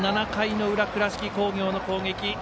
７回の裏、倉敷工業の攻撃。